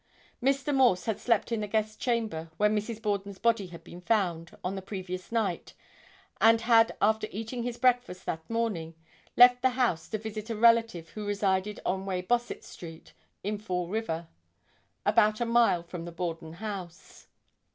Mr. Morse had slept in the guest chamber, where Mrs. Borden's body was found, on the previous night and had after eating his breakfast that morning, left the house to visit a relative who resided on Weybosset street, in Fall River, about a mile from the Borden House.